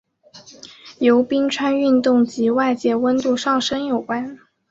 由冰川运动及外界温度上升有关。